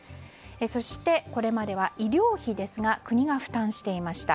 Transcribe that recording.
そして、これまでは医療費は国が負担していました。